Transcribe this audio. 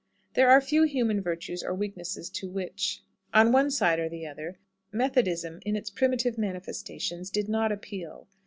There are few human virtues or weaknesses to which, on one side or the other, Methodism in its primitive manifestations did not appeal.